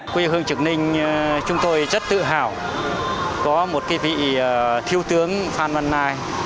quỹ hương trực ninh chúng tôi rất tự hào có một vị thiêu tướng phan văn nai